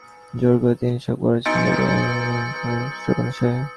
জোর করে তিনি সব করাচ্ছেন বলে অসৎ কাজ করলে সর্বনাশ হয়।